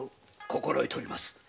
心得ております。